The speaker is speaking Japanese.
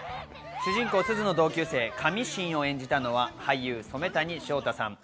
主人公・すずの同級生・カミシンを演じたのは俳優・染谷将太さん。